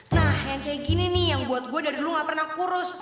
nah yang kayak gini nih yang buat gue dari dulu gak pernah kurus